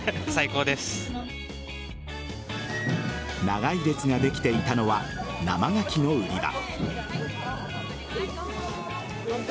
長い列ができていたのは生ガキの売り場。